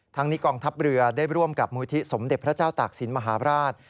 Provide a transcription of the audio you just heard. ทั้งนี้กองทัพเรือได้ร่วมกับมูลที่สมเด็จพระเจ้าตากศิลปราช